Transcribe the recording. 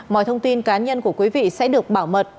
mọi thông tin cá nhân của quý vị sẽ được bảo mật